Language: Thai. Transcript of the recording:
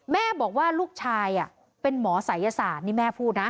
แม่บอกว่าลูกชายเป็นหมอศัยศาสตร์นี่แม่พูดนะ